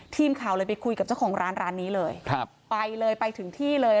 ทีมข่าวเลยไปคุยกับเจ้าของร้านร้านนี้เลยครับไปเลยไปถึงที่เลย